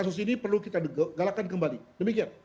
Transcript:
kasus ini perlu kita galakkan kembali demikian